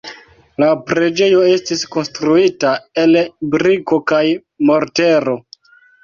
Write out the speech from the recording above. La preĝejo estis konstruita el briko kaj mortero.